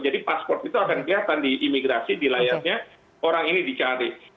jadi pasport itu akan kelihatan di imigrasi di layarnya orang ini dicari